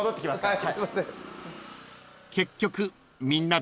はい。